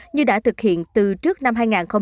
như đã thực hiện từ trước năm hai nghìn hai mươi